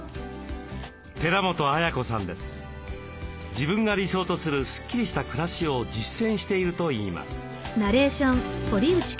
自分が理想とするスッキリした暮らしを実践しているといいます。